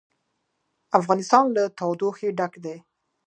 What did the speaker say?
افغانستان له تودوخه ډک دی.